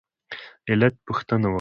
علت پوښتنه وکړه.